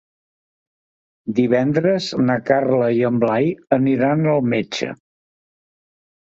Divendres na Carla i en Blai iran al metge.